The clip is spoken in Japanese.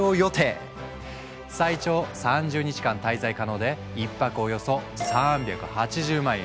最長３０日間滞在可能で１泊およそ３８０万円。